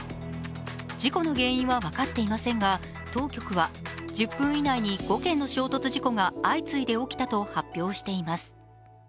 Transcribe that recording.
事故の原因は分かっていませんが、当局は、１０分以内に５件の衝突事故が相次いで起きたと発表しています。